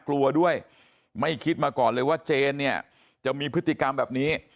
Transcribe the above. กลัวด้วยไม่คิดมาก่อนเลยว่าเจนเนี่ยจะมีพฤติกรรมแบบนี้